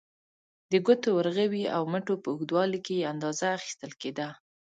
د ګوتو، ورغوي او مټو په اوږدوالي یې اندازه اخیستل کېده.